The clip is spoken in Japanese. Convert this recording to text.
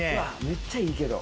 めっちゃいいけど。